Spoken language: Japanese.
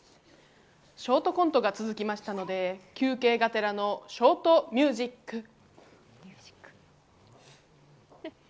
ショートコントが続きましたので、休憩がてらのショートミュージック。